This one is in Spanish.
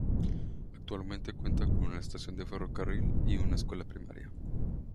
Actualmente cuenta con una estación de ferrocarril y una escuela primaria.